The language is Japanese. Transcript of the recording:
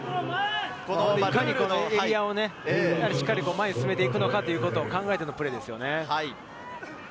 エリアをしっかり前に進めていくということを考えてのプレーです。